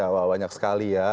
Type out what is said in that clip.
wah banyak sekali ya